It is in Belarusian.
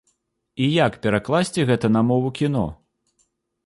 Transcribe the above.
І як перакласці гэта на мову кіно?